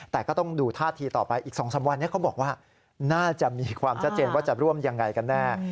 แต่ก็ต้องดูท่าทีต่อไปอีก๒๓วันนี้เขาบอกว่าน่าจะมีความชัดเจนว่าจะร่วมยังไงกันแน่